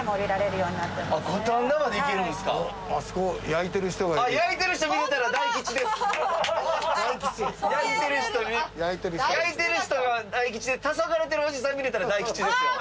焼いてる人が大吉でたそがれてるおじさん見れたら大吉ですよ。